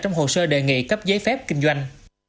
trong hồ sơ đề nghị cấp giấy phép kinh doanh